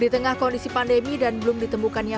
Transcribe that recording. di tengah kondisi pandemi dan belum ditemukannya